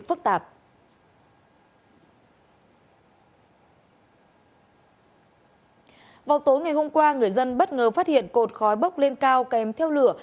vào tối ngày hôm qua người dân bất ngờ phát hiện cột khói bốc lên cao kèm theo lửa